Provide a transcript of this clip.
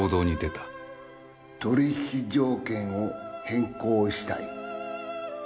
取引条件を変更したい。